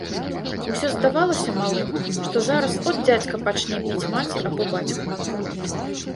Усё здавалася малым, што зараз от дзядзька пачне біць маці або бацьку.